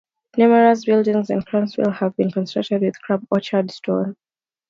Numerous buildings in Crossville, have been constructed with Crab Orchard stone.